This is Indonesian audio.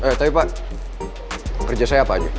eh tapi pak kerja saya apa aja